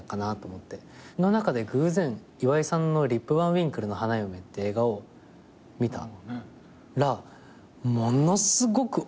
の中で偶然岩井さんの『リップヴァンウィンクルの花嫁』って映画を見たらものすごく面白くて。